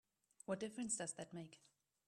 What difference does that make?